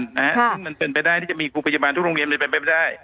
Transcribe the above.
ซึ่งมันเป็นไปได้ที่จะมีครูพยาบาลทุกโรงเรียนเลยเป็นไปไม่ได้